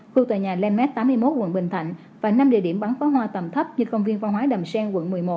khu tòa nhà landmart tám mươi một quận bình thạnh và năm địa điểm bắn phá hoa tầm thấp như công viên văn hóa đầm xen quận một mươi một